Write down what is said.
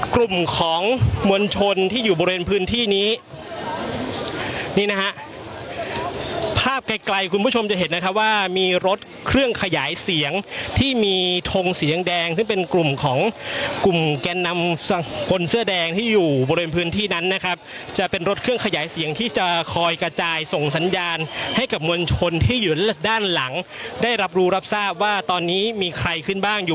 กลุ่มของมวลชนที่อยู่บริเวณพื้นที่นี้นี่นะฮะภาพไกลไกลคุณผู้ชมจะเห็นนะครับว่ามีรถเครื่องขยายเสียงที่มีทงสีแดงแดงซึ่งเป็นกลุ่มของกลุ่มแกนนำคนเสื้อแดงที่อยู่บริเวณพื้นที่นั้นนะครับจะเป็นรถเครื่องขยายเสียงที่จะคอยกระจายส่งสัญญาณให้กับมวลชนที่อยู่ด้านหลังได้รับรู้รับทราบว่าตอนนี้มีใครขึ้นบ้างอยู่